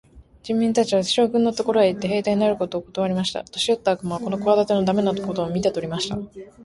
人民たちは、将軍のところへ行って、兵隊になることをことわりました。年よった悪魔はこの企ての駄目なことを見て取りました。